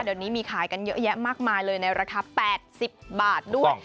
เดี๋ยวนี้มีขายกันเยอะแยะมากมายเลยในราคา๘๐บาทด้วย